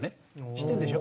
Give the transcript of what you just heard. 知ってんでしょ？